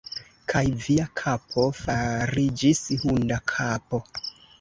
Kaj via kapo fariĝis hunda kapo!